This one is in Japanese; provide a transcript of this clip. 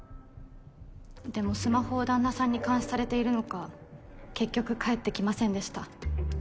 でもスマホを旦那さんに監視されているのか結局返ってきませんでした。